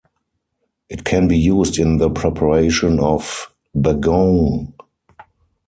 It can be used in the preparation of "bagoong".